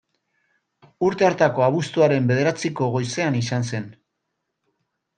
Urte hartako abuztuaren bederatziko goizean izan zen.